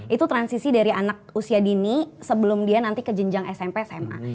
itu transisi dari anak usia dini sebelum dia nanti ke jenjang smp sma